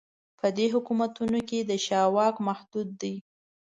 په دې حکومتونو کې د شاه واک محدود دی.